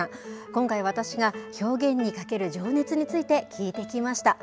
今回、私が表現にかける情熱について聞いてきました。